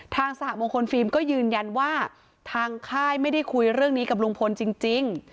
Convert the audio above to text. สหมงคลฟิล์มก็ยืนยันว่าทางค่ายไม่ได้คุยเรื่องนี้กับลุงพลจริง